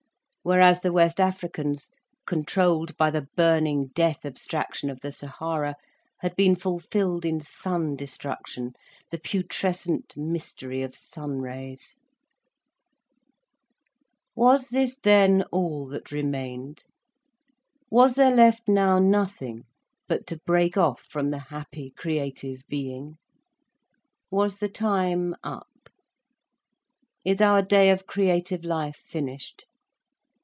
Whereas the West Africans, controlled by the burning death abstraction of the Sahara, had been fulfilled in sun destruction, the putrescent mystery of sun rays. Was this then all that remained? Was there left now nothing but to break off from the happy creative being, was the time up? Is our day of creative life finished?